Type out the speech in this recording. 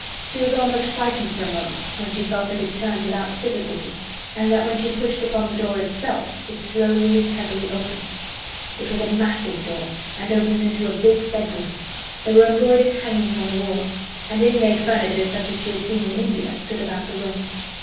She was almost frightened for a moment when she felt that it turned without difficulty and that when she pushed upon the door itself it slowly and heavily opened. It was a massive door and opened into a big bedroom. There were embroidered hangings on the wall, and inlaid furniture such as she had seen in India stood about the room.